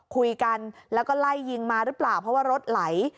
คุยกันแล้วก็ไล่ยิงมาหรือเปล่าเพราะว่ารถไหล